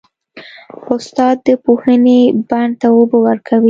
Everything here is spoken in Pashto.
استاد د پوهې بڼ ته اوبه ورکوي.